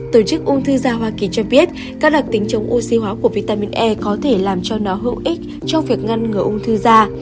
tổ chức ung thư da hoa kỳ cho biết các đặc tính chống oxy hóa của vitamin e có thể làm cho nó hữu ích cho việc ngăn ngừa ung thư da